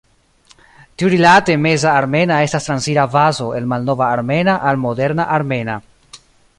Tiurilate, Meza armena estas transira fazo el malnova armena al moderna armena.